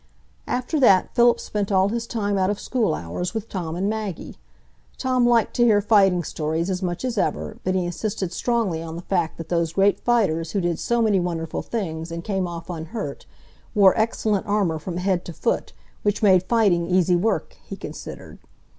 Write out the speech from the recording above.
After that, Philip spent all his time out of school hours with Tom and Maggie. Tom liked to hear fighting stories as much as ever, but he insisted strongly on the fact that those great fighters who did so many wonderful things and came off unhurt, wore excellent armor from head to foot, which made fighting easy work, he considered.